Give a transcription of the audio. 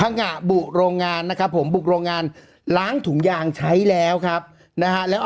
นั่นเองเรายังไม่ได้ขึ้นเลย